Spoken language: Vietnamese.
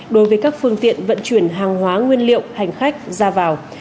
đối với các phương tiện vận chuyển hàng hóa nguyên liệu hành khách ra vào